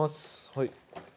はい。